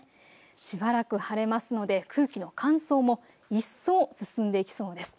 しばらく晴れますので空気の乾燥も一層、進んできそうです。